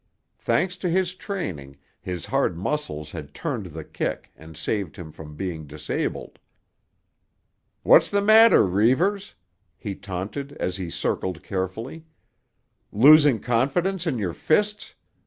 Thanks to his training, his hard muscles had turned the kick and saved him from being disabled. "What's the matter, Reivers?" he taunted as he circled carefully. "Losing confidence in your fists?